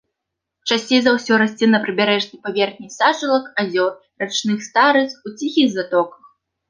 Часцей за ўсё расце на прыбярэжнай паверхні сажалак, азёр, рачных старыц, у ціхіх затоках.